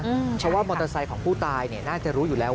เพราะว่ามอเตอร์ไซค์ของผู้ตายเนี่ยน่าจะรู้อยู่แล้ว